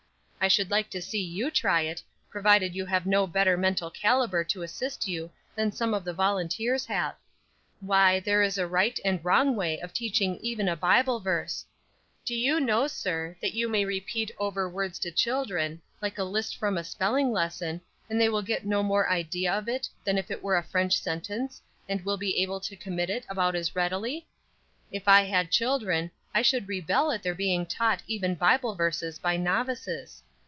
"I should like to see you try it, provided you have no better mental caliber to assist you than some of the volunteers have. Why, there is a right and wrong way of teaching even a Bible verse. Do you know, sir, that you may repeat over words to children like a list from a spelling lesson, and they will get no more idea from it than if it were a French sentence, and will be able to commit it about as readily? If I had children, I should rebel at their being taught even Bible verses by novices.